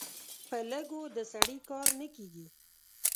په لږو د سړي کار نه کېږي.